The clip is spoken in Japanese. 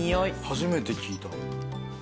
初めて聞いた。